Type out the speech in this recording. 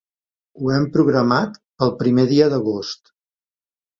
Ho hem programat pel primer dia d'agost.